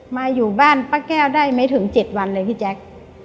มาอยู่บ้านป้าแก้วได้ไม่ถึง๗วันเลยพี่แจ๊ค